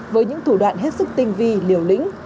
với những thủ đoạn hết sức tinh vi liều lĩnh